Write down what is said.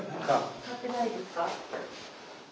変わってないですか？